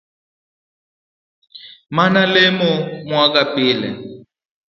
Mama lemo nwaga pile